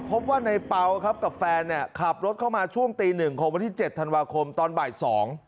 พบว่าในเปล่าครับกับแฟนเนี่ยขับรถเข้ามาช่วงตีหนึ่งของวันที่๗ธันวาคมตอนบ่าย๒